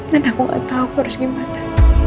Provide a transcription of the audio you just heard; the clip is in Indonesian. dan aku gak tahu aku harus gimana